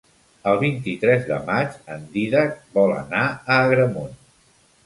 El vint-i-tres de maig en Dídac vol anar a Agramunt.